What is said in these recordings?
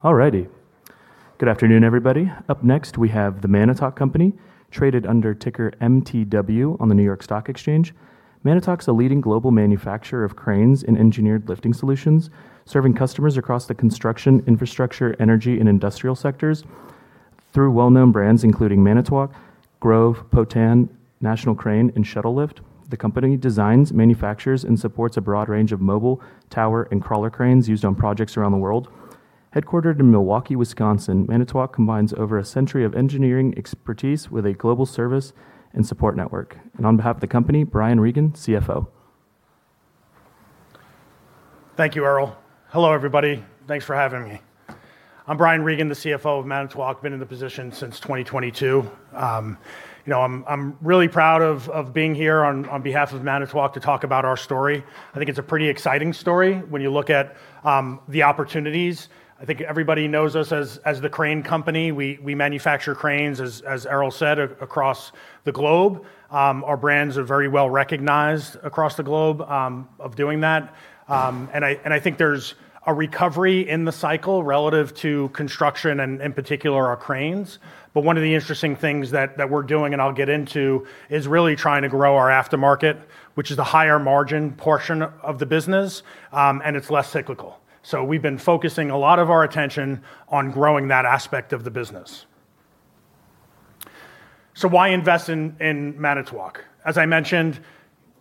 All righty. Good afternoon, everybody. Up next, we have The Manitowoc Company, traded under ticker MTW on the New York Stock Exchange. Manitowoc's a leading global manufacturer of cranes and engineered lifting solutions, serving customers across the construction, infrastructure, energy, and industrial sectors through well-known brands including Manitowoc, Grove, Potain, National Crane, and Shuttlelift. The company designs, manufactures, and supports a broad range of Mobile, Tower and Crawler Cranes used on projects around the world. Headquartered in Milwaukee, Wisconsin, Manitowoc combines over a century of engineering expertise with a global service and support network. On behalf of the company, Brian Regan, CFO. Thank you, Erol. Hello, everybody. Thanks for having me. I'm Brian Regan, the CFO of Manitowoc. Been in the position since 2022. I'm really proud of being here on behalf of Manitowoc to talk about our story. I think it's a pretty exciting story when you look at the opportunities. I think everybody knows us as the crane company. We manufacture cranes, as Erol said, across the globe. Our brands are very well recognized across the globe of doing that. I think there's a recovery in the cycle relative to construction and in particular, our cranes. One of the interesting things that we're doing, and I'll get into, is really trying to grow our aftermarket, which is the higher margin portion of the business. It's less cyclical. We've been focusing a lot of our attention on growing that aspect of the business. Why invest in Manitowoc? As I mentioned,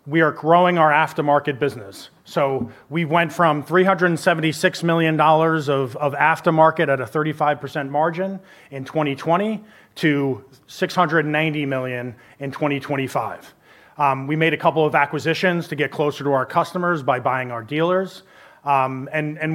we are growing our Aftermarket business. We went from $376 million of Aftermarket at a 35% margin in 2020 to $690 million in 2025. We made a couple of acquisitions to get closer to our customers by buying our dealers.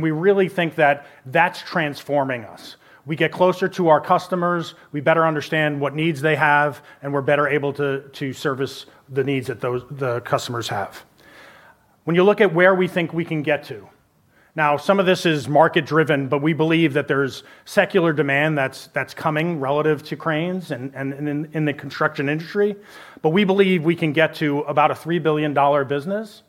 We really think that that's transforming us. We get closer to our customers, we better understand what needs they have, and we're better able to service the needs that the customers have. When you look at where we think we can get to, now, some of this is market-driven, but we believe that there's secular demand that's coming relative to cranes and in the construction industry. We believe we can get to about a $3 billion business.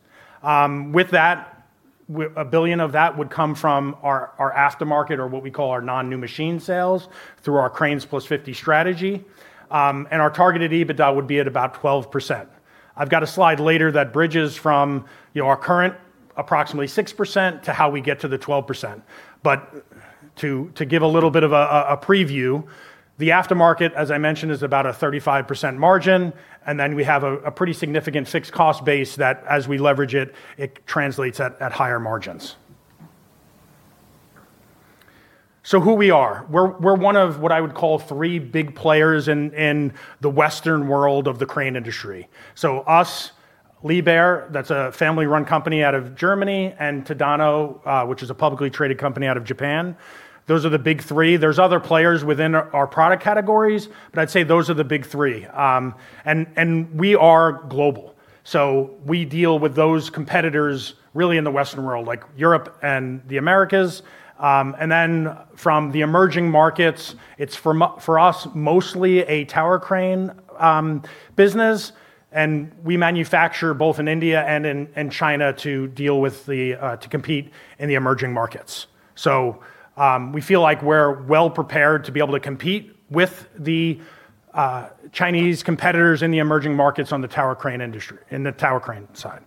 With that, $1 billion of that would come from our Aftermarket or what we call our non-new machine sales through our CRANES+50 strategy. Our targeted EBITDA would be at about 12%. I've got a slide later that bridges from our current approximately 6% to how we get to the 12%. To give a little bit of a preview, the Aftermarket, as I mentioned, is about a 35% margin, and then we have a pretty significant fixed cost base that as we leverage it translates at higher margins. Who we are. We're one of, what I would call, three big players in the Western world of the Crane industry. Us, Liebherr, that's a family-run company out of Germany, and Tadano, which is a publicly traded company out of Japan. Those are the big three. There's other players within our product categories, but I'd say those are the big three. We are global. We deal with those competitors really in the Western world, like Europe and the Americas. From the emerging markets, it is for us, mostly a Tower Crane business, and we manufacture both in India and China to compete in the emerging markets. We feel like we are well prepared to be able to compete with the Chinese competitors in the emerging markets on the Tower Crane industry, in the Tower Crane side.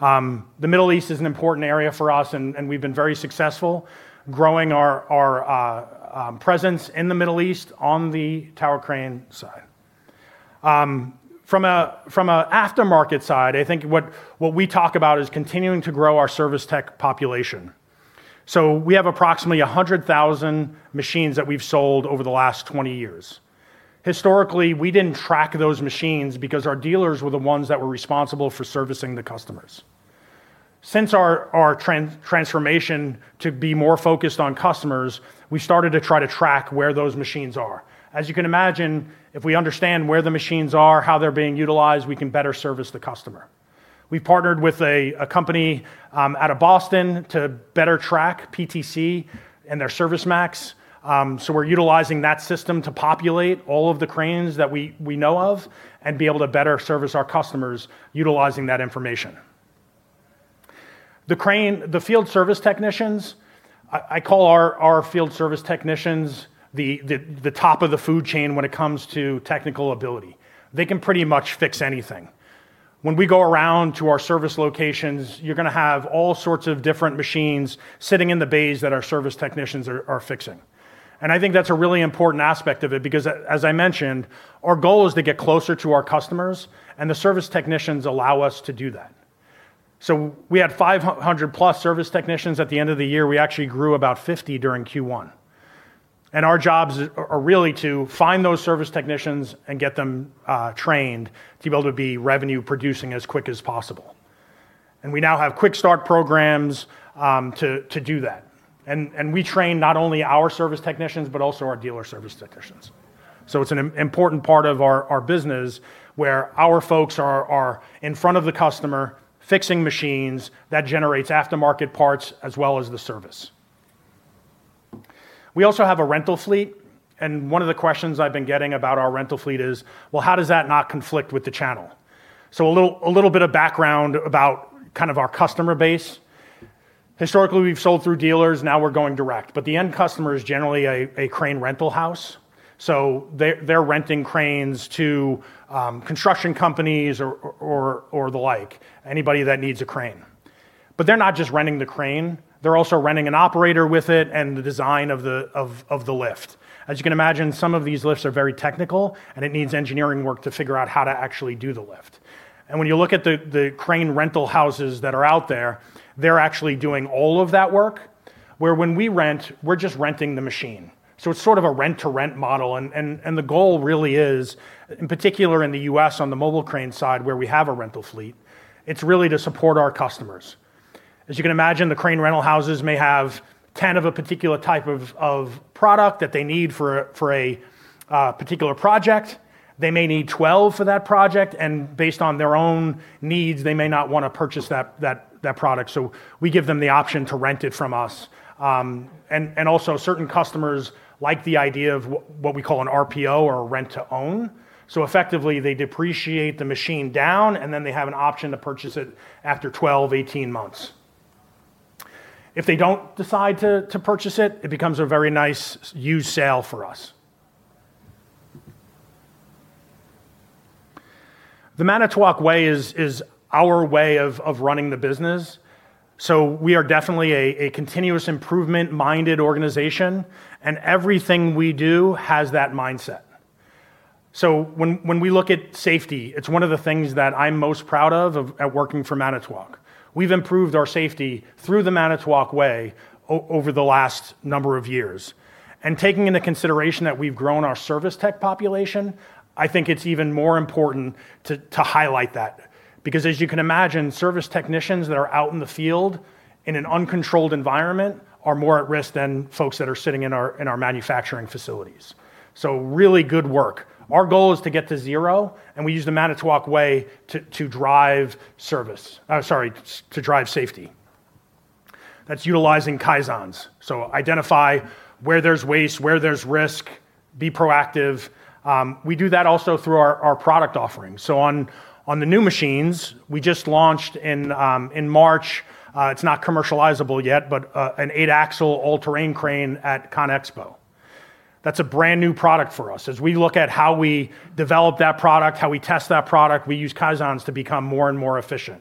The Middle East is an important area for us, and we have been very successful growing our presence in the Middle East on the Tower Crane side. From an Aftermarket side, I think what we talk about is continuing to grow our service tech population. We have approximately 100,000 machines that we have sold over the last 20 years. Historically, we did not track those machines because our dealers were the ones that were responsible for servicing the customers. Since our transformation to be more focused on customers, we started to try to track where those machines are. As you can imagine, if we understand where the machines are, how they are being utilized, we can better service the customer. We have partnered with a company out of Boston to better track PTC and their ServiceMax. We are utilizing that system to populate all of the cranes that we know of and be able to better service our customers utilizing that information. The field service technicians, I call our field service technicians the top of the food chain when it comes to technical ability. They can pretty much fix anything. When we go around to our service locations, you are going to have all sorts of different machines sitting in the bays that our service technicians are fixing. I think that is a really important aspect of it because, as I mentioned, our goal is to get closer to our customers, and the service technicians allow us to do that. We had 500+ service technicians at the end of the year. We actually grew about 50 during Q1. Our jobs are really to find those service technicians and get them trained to be able to be revenue producing as quick as possible. We now have quick start programs to do that. We train not only our service technicians, but also our dealer service technicians. It is an important part of our business where our folks are in front of the customer fixing machines. That generates Aftermarket Parts as well as the Service. We also have a rental fleet. One of the questions I have been getting about our rental fleet is, well, how does that not conflict with the channel? A little bit of background about our customer base. Historically, we have sold through dealers, now we are going direct, but the end customer is generally a crane rental house. They are renting cranes to construction companies or the like, anybody that needs a crane. They are not just renting the crane, they are also renting an operator with it and the design of the lift. As you can imagine, some of these lifts are very technical and it needs engineering work to figure out how to actually do the lift. When you look at the crane rental houses that are out there, they're actually doing all of that work, where when we rent, we're just renting the machine. It's sort of a rent-to-rent model, and the goal really is, in particular in the U.S. on the mobile crane side where we have a rental fleet, it's really to support our customers. As you can imagine, the crane rental houses may have 10 of a particular type of product that they need for a particular project. They may need 12 for that project, and based on their own needs, they may not want to purchase that product. We give them the option to rent it from us. Also certain customers like the idea of what we call an RPO or a Rent-to-Own. Effectively, they depreciate the machine down, and then they have an option to purchase it after 12, 18 months. If they don't decide to purchase it becomes a very nice used sale for us. The Manitowoc Way is our way of running the business. We are definitely a continuous improvement-minded organization, and everything we do has that mindset. When we look at safety, it's one of the things that I'm most proud of at working for Manitowoc. We've improved our safety through The Manitowoc Way over the last number of years. Taking into consideration that we've grown our service tech population, I think it's even more important to highlight that. Because as you can imagine, service technicians that are out in the field in an uncontrolled environment are more at risk than folks that are sitting in our manufacturing facilities. Really good work. Our goal is to get to zero, and we use The Manitowoc Way to drive safety. That's utilizing Kaizens. Identify where there's waste, where there's risk, be proactive. We do that also through our product offerings. On the new machines we just launched in March, it's not commercializable yet, but an eight-axle all-terrain crane at CONEXPO. That's a brand-new product for us. We look at how we develop that product, how we test that product, we use Kaizens to become more and more efficient.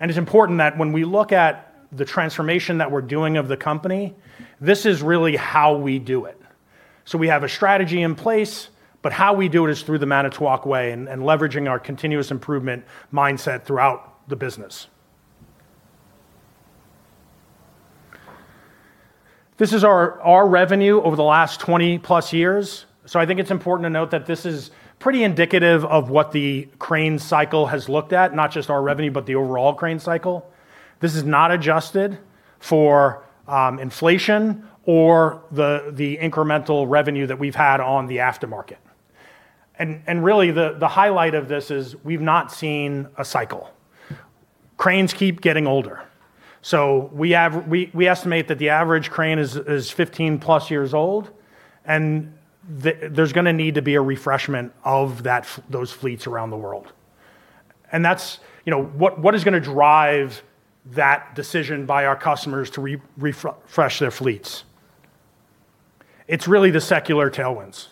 It's important that when we look at the transformation that we're doing of the company, this is really how we do it. We have a strategy in place, but how we do it is through The Manitowoc Way and leveraging our continuous improvement mindset throughout the business. This is our revenue over the last 20+ years. I think it's important to note that this is pretty indicative of what the crane cycle has looked at, not just our revenue, but the overall crane cycle. This is not adjusted for inflation or the incremental revenue that we've had on the aftermarket. Really, the highlight of this is we've not seen a cycle. Cranes keep getting older. We estimate that the average crane is 15+ years old, and there's going to need to be a refreshment of those fleets around the world. What is going to drive that decision by our customers to refresh their fleets? It's really the secular tailwinds.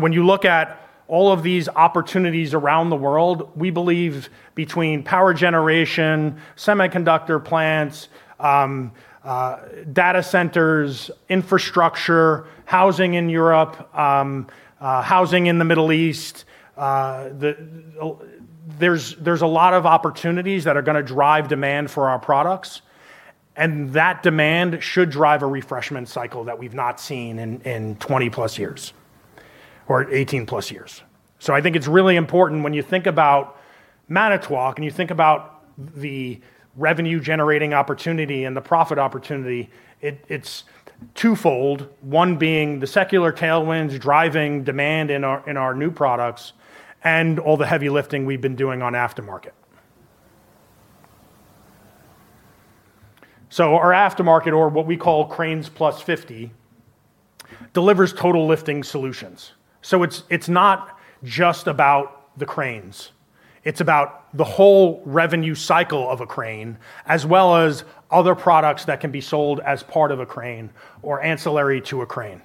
When you look at all of these opportunities around the world, we believe between power generation, semiconductor plants, data centers, infrastructure, housing in Europe, housing in the Middle East, there's a lot of opportunities that are going to drive demand for our products, and that demand should drive a refreshment cycle that we've not seen in 20+ years, or 18+ years. I think it's really important when you think about Manitowoc and you think about the revenue-generating opportunity and the profit opportunity, it's twofold. One being the secular tailwinds driving demand in our new products and all the heavy lifting we've been doing on Aftermarket. Our Aftermarket, or what we call CRANES+50, delivers total lifting solutions. It's not just about the cranes, it's about the whole revenue cycle of a crane, as well as other products that can be sold as part of a crane or ancillary to a crane.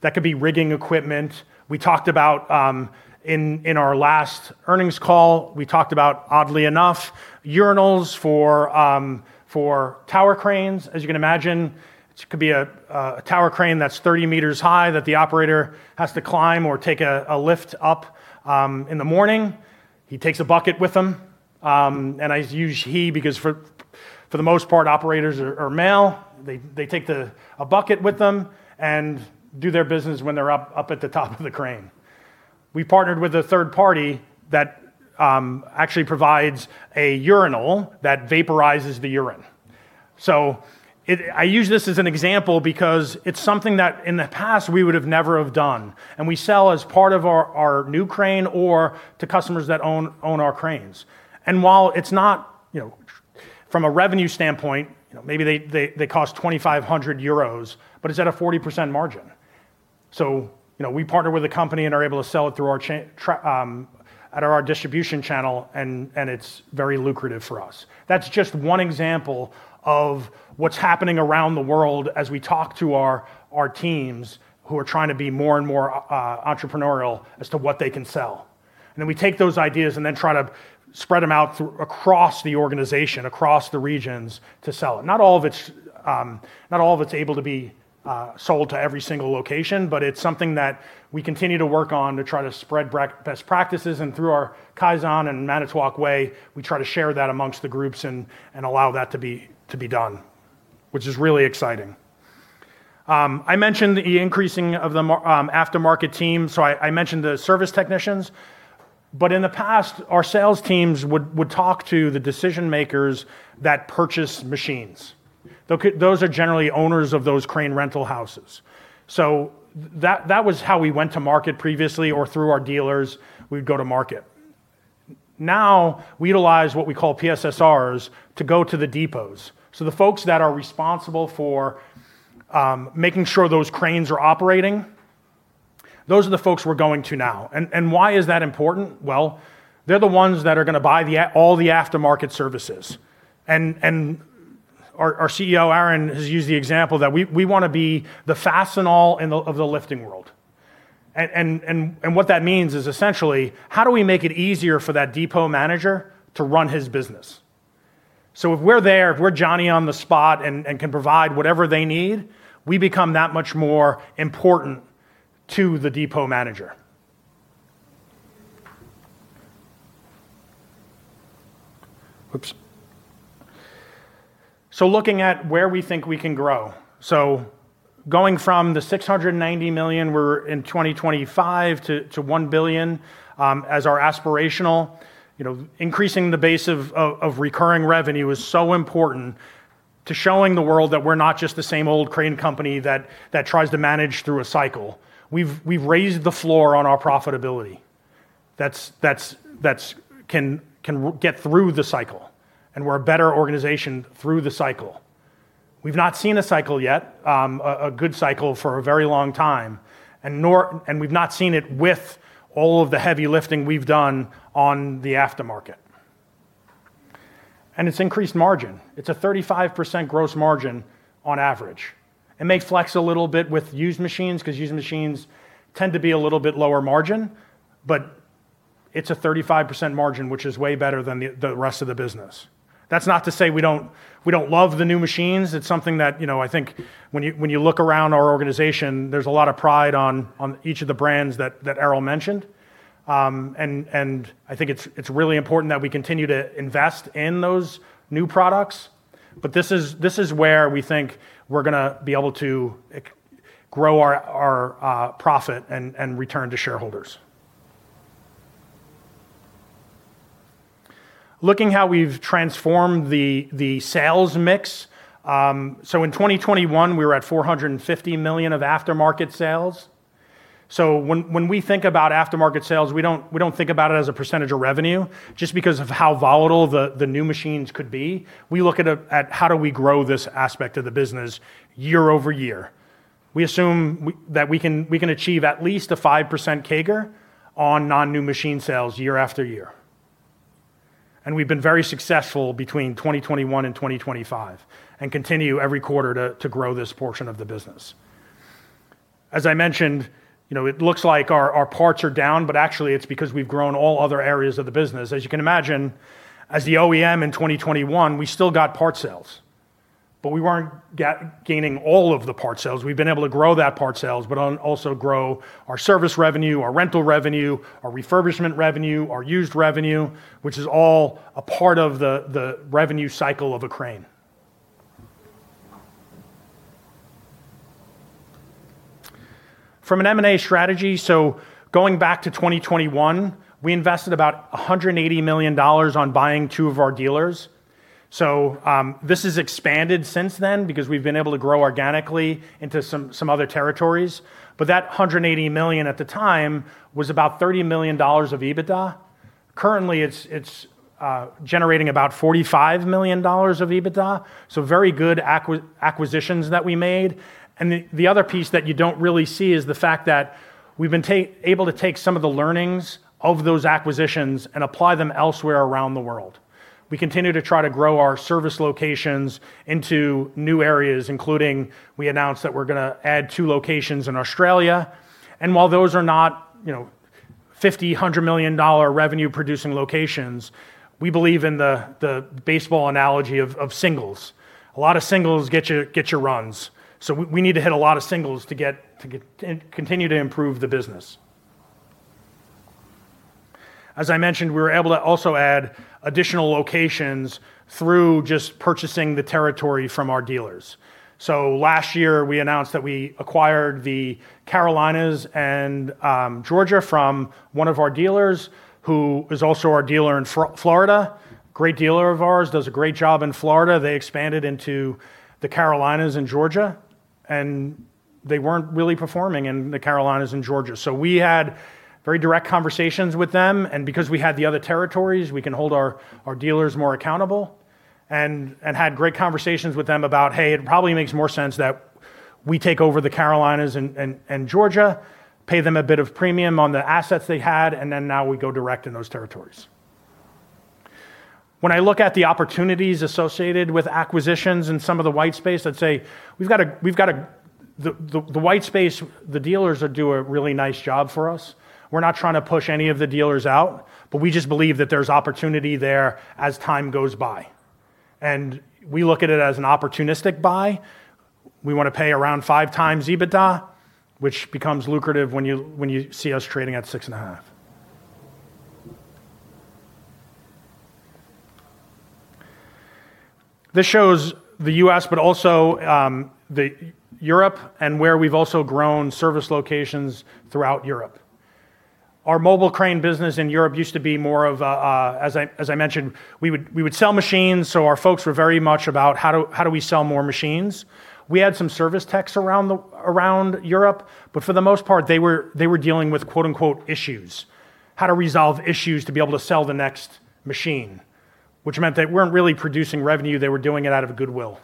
That could be rigging equipment. We talked about in our last earnings call, we talked about, oddly enough, urinals for Tower Cranes. As you can imagine, it could be a Tower Crane that's 30 meters high that the operator has to climb or take a lift up in the morning. He takes a bucket with him. I use he because for the most part, operators are male. They take a bucket with them and do their business when they're up at the top of the crane. We partnered with a third party that actually provides a urinal that vaporizes the urine. I use this as an example because it's something that in the past we would have never have done, and we sell as part of our new crane or to customers that own our cranes. While it's not-from a revenue standpoint, maybe they cost 2,500 euros, but it's at a 40% margin. We partner with a company and are able to sell it through our distribution channel, and it's very lucrative for us. That's just one example of what's happening around the world as we talk to our teams who are trying to be more and more entrepreneurial as to what they can sell. Then we take those ideas and then try to spread them out across the organization, across the regions to sell. Not all of it's able to be sold to every single location, but it's something that we continue to work on to try to spread best practices. Through our Kaizens and The Manitowoc Way, we try to share that amongst the groups and allow that to be done, which is really exciting. I mentioned the increasing of the aftermarket team, so I mentioned the service technicians. In the past, our sales teams would talk to the decision-makers that purchase machines. Those are generally owners of those crane rental houses. That was how we went to market previously, or through our dealers, we'd go to market. Now, we utilize what we call PSSRs to go to the depots. The folks that are responsible for making sure those cranes are operating, those are the folks we're going to now. Why is that important? They're the ones that are going to buy all the Aftermarket Services. Our CEO, Aaron, has used the example that we want to be the Fastenal of the lifting world. What that means is essentially, how do we make it easier for that Depot Manager to run his business? If we're there, if we're Johnny-on-the-spot and can provide whatever they need, we become that much more important to the Depot Manager. Oops. Looking at where we think we can grow. Going from the $690 million in 2025 to $1 billion as our aspirational. Increasing the base of recurring revenue is so important to showing the world that we're not just the same old crane company that tries to manage through a cycle. We've raised the floor on our profitability. That can get through the cycle, and we're a better organization through the cycle. We've not seen a cycle yet, a good cycle, for a very long time, we've not seen it with all of the heavy lifting we've done on the aftermarket. It's increased margin. It's a 35% gross margin on average. It may flex a little bit with used machines because used machines tend to be a little bit lower margin, but it's a 35% margin, which is way better than the rest of the business. That's not to say we don't love the new machines. It's something that I think when you look around our organization, there's a lot of pride on each of the brands that Erol mentioned. I think it's really important that we continue to invest in those new products. This is where we think we're going to be able to grow our profit and return to shareholders. Looking how we've transformed the sales mix. In 2021, we were at $450 million of Aftermarket Sales. When we think about Aftermarket Sales, we don't think about it as a percentage of revenue, just because of how volatile the new machines could be. We look at how do we grow this aspect of the business year-over-year. We assume that we can achieve at least a 5% CAGR on non-new machine sales year after year. We've been very successful between 2021 and 2025, and continue every quarter to grow this portion of the business. As I mentioned, it looks like our parts are down, actually it's because we've grown all other areas of the business. As you can imagine, as the OEM in 2021, we still got parts sales. We weren't gaining all of the parts sales. We've been able to grow that parts sales, also grow our service revenue, our rental revenue, our refurbishment revenue, our used revenue, which is all a part of the revenue cycle of a crane. From an M&A strategy, going back to 2021, we invested about $180 million on buying two of our dealers. This has expanded since then because we've been able to grow organically into some other territories. That $180 million at the time was about $30 million of EBITDA. Currently, it's generating about $45 million of EBITDA, very good acquisitions that we made. The other piece that you don't really see is the fact that we've been able to take some of the learnings of those acquisitions and apply them elsewhere around the world. We continue to try to grow our service locations into new areas, including, we announced that we're going to add two locations in Australia. While those are not $50 million, $100 million revenue producing locations, we believe in the baseball analogy of singles. A lot of singles get you runs. We need to hit a lot of singles to continue to improve the business. As I mentioned, we were able to also add additional locations through just purchasing the territory from our dealers. Last year, we announced that we acquired the Carolinas and Georgia from one of our dealers, who is also our dealer in Florida. Great dealer of ours, does a great job in Florida. They expanded into the Carolinas and Georgia. And they weren't really performing in the Carolinas and Georgia. We had very direct conversations with them, and because we had the other territories, we can hold our dealers more accountable, and had great conversations with them about, hey, it probably makes more sense that we take over the Carolinas and Georgia, pay them a bit of premium on the assets they had, and then now we go direct in those territories. When I look at the opportunities associated with acquisitions in some of the white space, I'd say the white space, the dealers do a really nice job for us. We're not trying to push any of the dealers out. We just believe that there's opportunity there as time goes by. We look at it as an opportunistic buy. We want to pay around 5x EBITDA, which becomes lucrative when you see us trading at 6.5. This shows the U.S., but also Europe and where we've also grown service locations throughout Europe. Our Mobile Crane business in Europe used to be more of a, as I mentioned, we would sell machines, so our folks were very much about how do we sell more machines. We had some service techs around Europe, but for the most part, they were dealing with, quote-unquote, "issues," how to resolve issues to be able to sell the next machine. Which meant they weren't really producing revenue, they were doing it out of goodwill.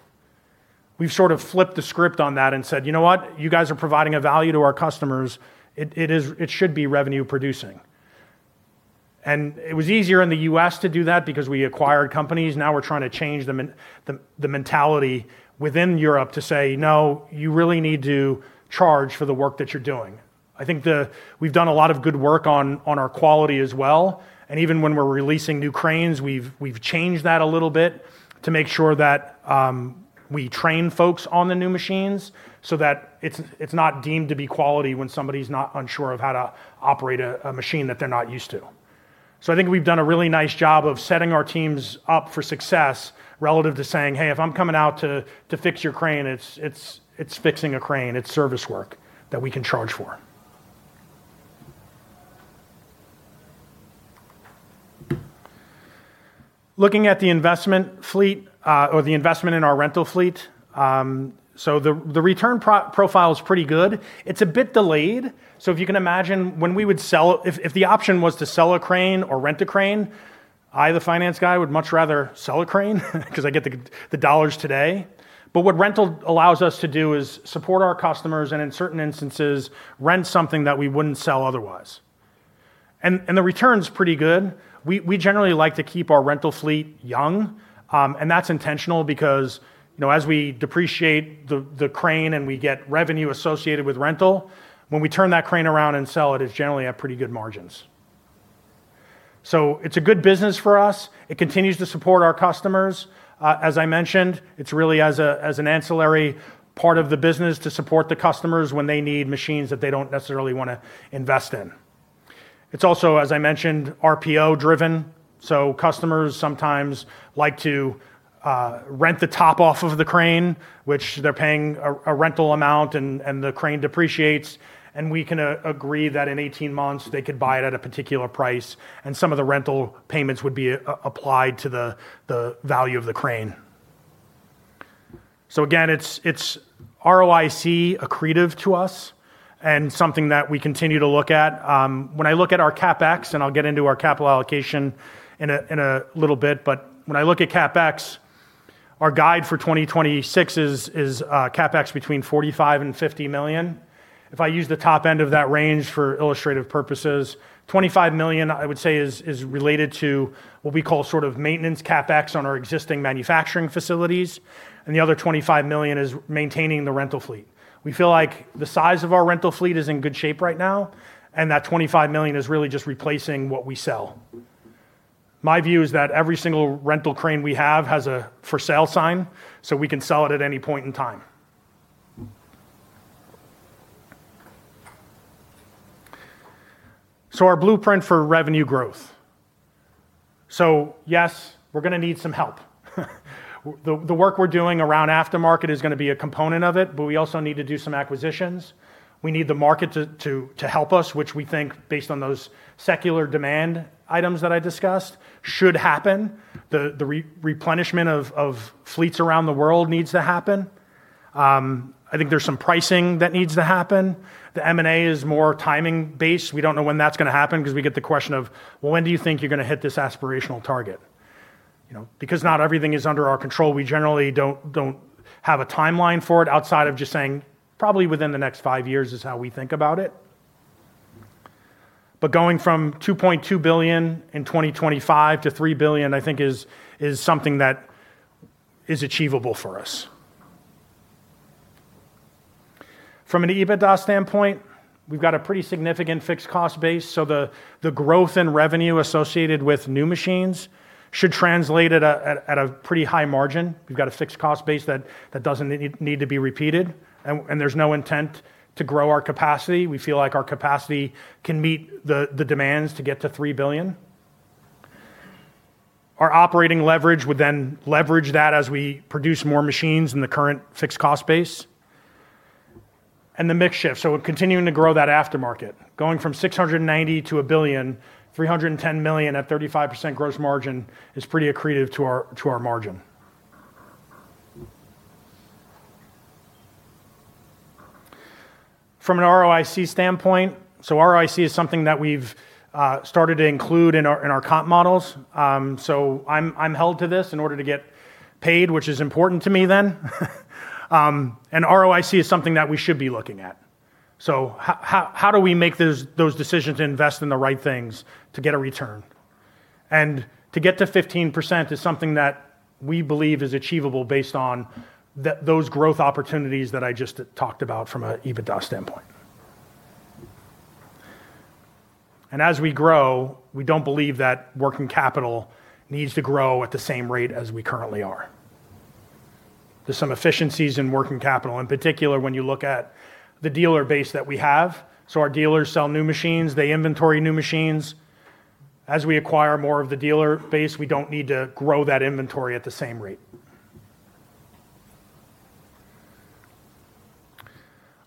We've sort of flipped the script on that and said, "You know what? You guys are providing a value to our customers. It should be revenue producing." It was easier in the U.S. to do that because we acquired companies. We're trying to change the mentality within Europe to say, "No, you really need to charge for the work that you're doing." I think we've done a lot of good work on our quality as well, and even when we're releasing new cranes, we've changed that a little bit to make sure that we train folks on the new machines so that it's not deemed to be quality when somebody's not unsure of how to operate a machine that they're not used to. I think we've done a really nice job of setting our teams up for success relative to saying, "Hey, if I'm coming out to fix your crane, it's fixing a crane. It's service work that we can charge for." Looking at the investment fleet, or the investment in our rental fleet. The return profile is pretty good. It's a bit delayed. If you can imagine, if the option was to sell a crane or rent a crane, I, the finance guy, would much rather sell a crane because I get the dollars today. What rental allows us to do is support our customers and, in certain instances, rent something that we wouldn't sell otherwise. The return's pretty good. We generally like to keep our rental fleet young, and that's intentional because, as we depreciate the crane and we get revenue associated with rental, when we turn that crane around and sell it's generally at pretty good margins. It's a good business for us. It continues to support our customers. As I mentioned, it's really as an ancillary part of the business to support the customers when they need machines that they don't necessarily want to invest in. It's also, as I mentioned, RPO-driven, customers sometimes like to rent the top off of the crane, which they're paying a rental amount and the crane depreciates, and we can agree that in 18 months, they could buy it at a particular price and some of the rental payments would be applied to the value of the crane. Again, it's ROIC accretive to us and something that we continue to look at. When I look at our CapEx, and I'll get into our capital allocation in a little bit, when I look at CapEx, our guide for 2026 is CapEx between $45 million and $50 million. If I use the top end of that range for illustrative purposes, $25 million I would say is related to what we call sort of maintenance CapEx on our existing manufacturing facilities, and the other $25 million is maintaining the rental fleet. We feel like the size of our rental fleet is in good shape right now, and that $25 million is really just replacing what we sell. My view is that every single rental crane we have has a for sale sign, we can sell it at any point in time. Our blueprint for revenue growth. Yes, we're going to need some help. The work we're doing around Aftermarket is going to be a component of it, we also need to do some acquisitions. We need the market to help us, which we think, based on those secular demand items that I discussed, should happen. The replenishment of fleets around the world needs to happen. I think there's some pricing that needs to happen. The M&A is more timing based. We don't know when that's going to happen because we get the question of, "When do you think you're going to hit this aspirational target?" Because not everything is under our control, we generally don't have a timeline for it outside of just saying probably within the next five years is how we think about it. Going from $2.2 billion in 2025 to $3 billion, I think is something that is achievable for us. From an EBITDA standpoint, we've got a pretty significant fixed cost base, the growth in revenue associated with new machines should translate at a pretty high margin. We've got a fixed cost base that doesn't need to be repeated, and there's no intent to grow our capacity. We feel like our capacity can meet the demands to get to $3 billion. Our operating leverage would then leverage that as we produce more machines in the current fixed cost base. The mix shift. We're continuing to grow that aftermarket. Going from $690 million-$1.31 billion at 35% gross margin is pretty accretive to our margin. From an ROIC standpoint. ROIC is something that we've started to include in our comp models. I'm held to this in order to get paid, which is important to me then. ROIC is something that we should be looking at. How do we make those decisions to invest in the right things to get a return? To get to 15% is something that we believe is achievable based on those growth opportunities that I just talked about from an EBITDA standpoint. As we grow, we don't believe that working capital needs to grow at the same rate as we currently are. There's some efficiencies in working capital, in particular, when you look at the dealer base that we have. Our dealers sell new machines, they inventory new machines. As we acquire more of the dealer base, we don't need to grow that inventory at the same rate.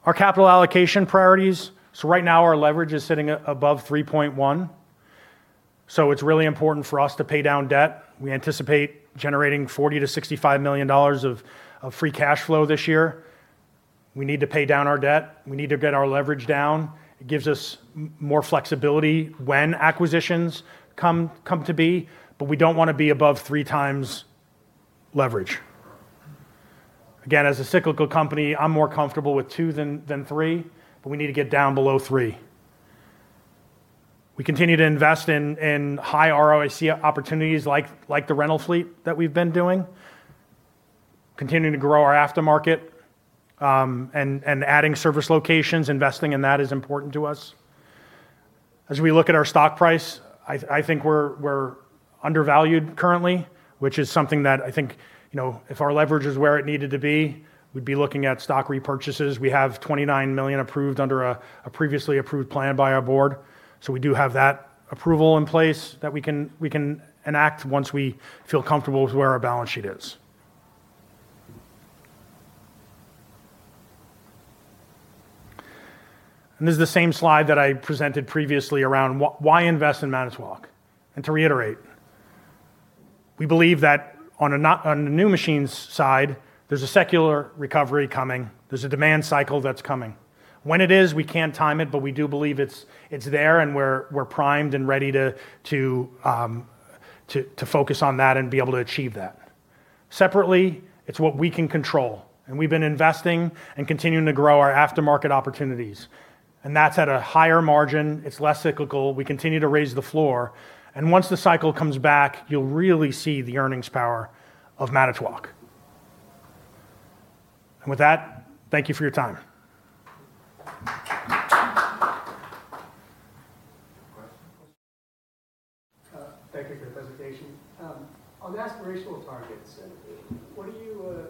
Our capital allocation priorities. Right now our leverage is sitting above 3.1x. It's really important for us to pay down debt. We anticipate generating $40 million-$65 million of free cash flow this year. We need to pay down our debt. We need to get our leverage down. It gives us more flexibility when acquisitions come to be. We don't want to be above 3x leverage. Again, as a cyclical company, I'm more comfortable with 2x than 3x, but we need to get down below 3x. We continue to invest in high ROIC opportunities like the rental fleet that we've been doing, continuing to grow our Aftermarket, and adding service locations, investing in that is important to us. As we look at our stock price, I think we're undervalued currently, which is something that I think if our leverage is where it needed to be, we'd be looking at stock repurchases. We have $29 million approved under a previously approved plan by our Board. We do have that approval in place that we can enact once we feel comfortable with where our balance sheet is. This is the same slide that I presented previously around why invest in Manitowoc? To reiterate, we believe that on the new machines side, there's a secular recovery coming. There's a demand cycle that's coming. When it is, we can't time it, but we do believe it's there and we're primed and ready to focus on that and be able to achieve that. Separately, it's what we can control, we've been investing and continuing to grow our Aftermarket opportunities. That's at a higher margin. It's less cyclical. We continue to raise the floor, once the cycle comes back, you'll really see the earnings power of Manitowoc. With that, thank you for your time. Question. Thank you for your presentation. On the aspirational targets, what do you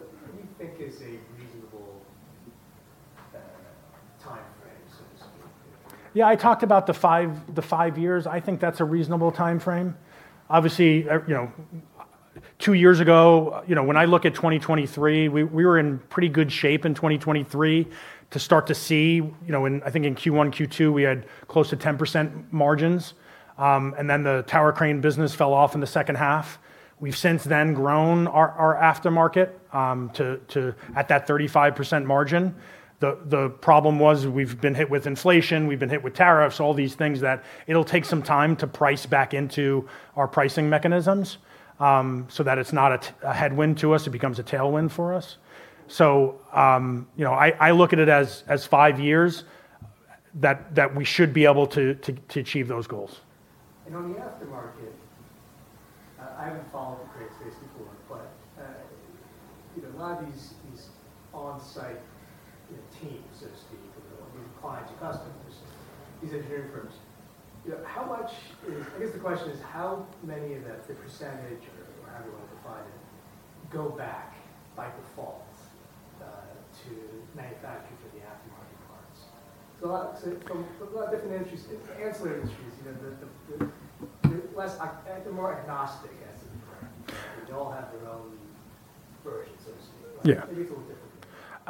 think is a reasonable timeframe, so to speak? Yeah, I talked about the five years. I think that's a reasonable timeframe. Obviously, two years ago, when I look at 2023, we were in pretty good shape in 2023 to start to see, I think in Q1, Q2, we had close to 10% margins. Then the Tower Crane business fell off in the second half. We've since then grown our aftermarket at that 35% margin. The problem was we've been hit with inflation, we've been hit with tariffs, all these things that it'll take some time to price back into our pricing mechanisms, so that it's not a headwind to us, it becomes a tailwind for us. I look at it as five years that we should be able to achieve those goals. On the Aftermarket, I haven't followed the crane space before, a lot of these on-site teams, so to speak, these clients or customers, these engineering firms, I guess the question is how many of the percentage or however you want to define it, go back by default to the manufacturer for the Aftermarket Parts? From a lot of different ancillary industries, they're more agnostic, I guess is the word. They all have their own version, so to speak. Maybe it's a little different.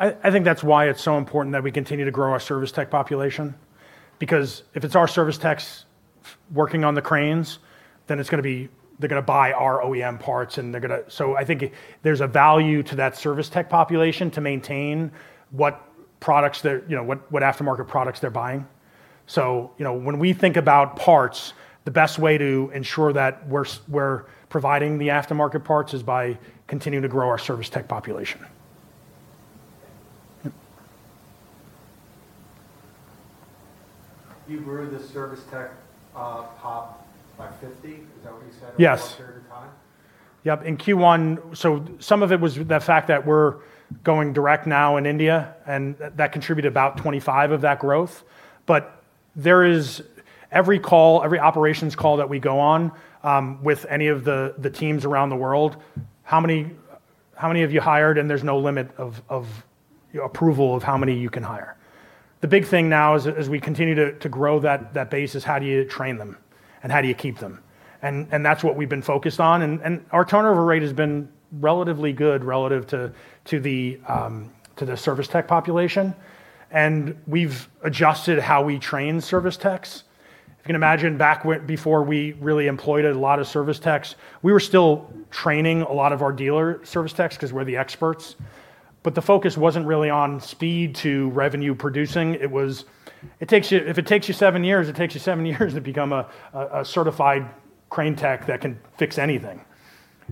I think that's why it's so important that we continue to grow our service tech population. Because if it's our service techs working on the cranes, then they're going to buy our OEM parts. I think there's a value to that service tech population to maintain what aftermarket products they're buying. When we think about parts, the best way to ensure that we're providing the Aftermarket Parts is by continuing to grow our service tech population. Thank you. You grew the service tech pop by 50, is that what you said? Over what period of time? Yes. Yep. In Q1, some of it was the fact that we're going direct now in India, and that contributed about 25 of that growth. Every operations call that we go on with any of the teams around the world, how many have you hired? There's no limit of approval of how many you can hire. The big thing now as we continue to grow that base is how do you train them? And how do you keep them? That's what we've been focused on. Our turnover rate has been relatively good relative to the service tech population. We've adjusted how we train service techs. If you can imagine back before we really employed a lot of service techs, we were still training a lot of our dealer service techs because we're the experts, but the focus wasn't really on speed to revenue producing. If it takes you seven years, it takes you seven years to become a certified crane tech that can fix anything.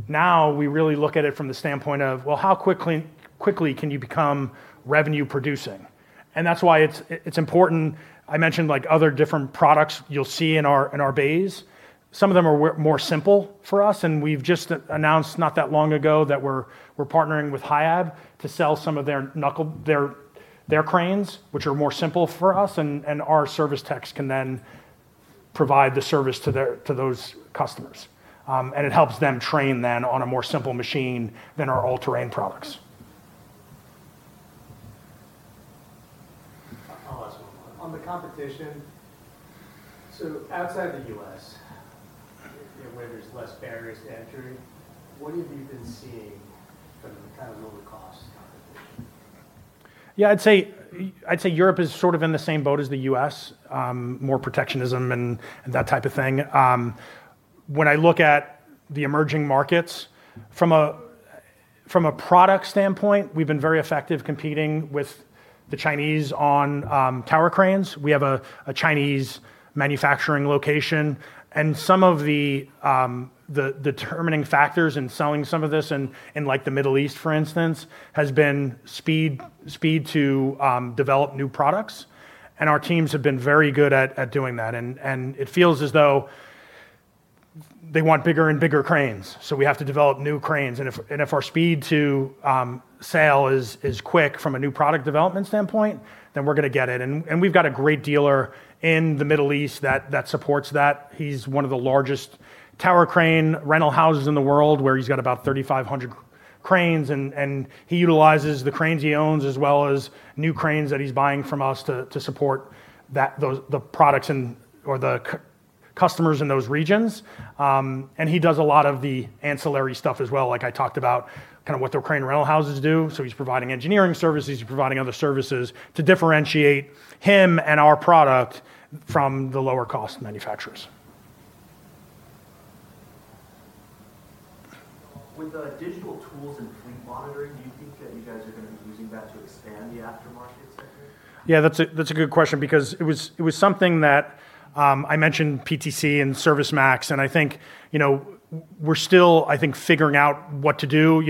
Now, we really look at it from the standpoint of, well, how quickly can you become revenue producing? That's why it's important. I mentioned other different products you'll see in our bays. Some of them are more simple for us, and we've just announced not that long ago that we're partnering with HIAB to sell some of their cranes, which are more simple for us, and our service techs can then provide the service to those customers. It helps them train then on a more simple machine than our all-terrain products. I'll ask one more. On the competition, so outside the U.S., where there's less barriers to entry, what have you been seeing from the kind of lower cost competition? I'd say Europe is sort of in the same boat as the U.S., more protectionism and that type of thing. When I look at the emerging markets from a product standpoint, we've been very effective competing with the Chinese on Tower Cranes. We have a Chinese manufacturing location. Some of the determining factors in selling some of this in the Middle East, for instance, has been speed to develop new products, and our teams have been very good at doing that. It feels as though they want bigger and bigger cranes, so we have to develop new cranes. If our speed to sale is quick from a new product development standpoint, then we're going to get it. We've got a great dealer in the Middle East that supports that. He's one of the largest Tower Crane rental houses in the world, where he's got about 3,500 cranes, and he utilizes the cranes he owns as well as new cranes that he's buying from us to support the customers in those regions. He does a lot of the ancillary stuff as well, like I talked about, kind of what the crane rental houses do. He's providing engineering services, he's providing other services to differentiate him and our product from the lower cost manufacturers. With the digital tools and fleet monitoring, do you think that you guys are going to be using that to expand the Aftermarket sector? Yeah, that's a good question because it was something that I mentioned PTC and ServiceMax, and I think we're still figuring out what to do.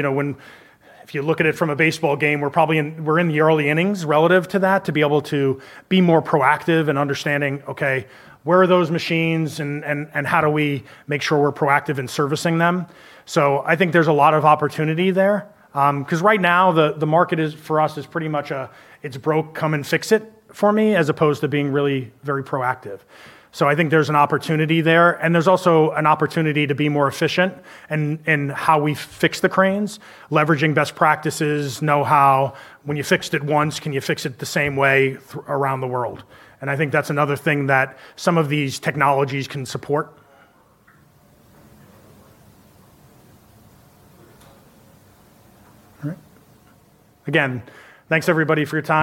If you look at it from a baseball game, we're in the early innings relative to that, to be able to be more proactive in understanding, okay, where are those machines and how do we make sure we're proactive in servicing them? I think there's a lot of opportunity there, because right now the market for us is pretty much a, "It's broke, come and fix it for me," as opposed to being really very proactive. I think there's an opportunity there, and there's also an opportunity to be more efficient in how we fix the cranes, leveraging best practices, know-how, when you fixed it once, can you fix it the same way around the world? I think that's another thing that some of these technologies can support. All right. Again, thanks everybody for your time.